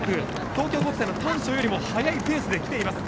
東京国際の丹所よりも速いペースで来ています。